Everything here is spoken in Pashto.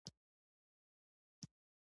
حکومتي ظرفیت او وړتیا لوړول و.